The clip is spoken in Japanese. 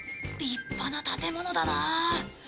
立派な建物だな。